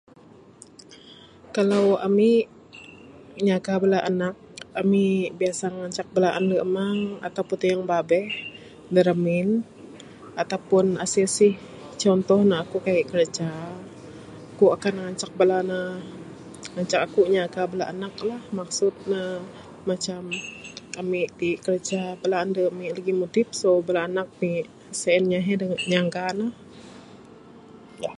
Kalau ami nyaga bala anak, ami biasa ngancak bala ande amang ato pun tayung babeh da ramin ato pun asih asih. Contoh ne aku kaik kerja, ku akan ngancak bala ne, ngancak aku nyaga bala anak ne. Maksud ne macam ami ti kerja, bala ande ami lagih mudip. So bala anak ti sien inya he dangan nyaga ne.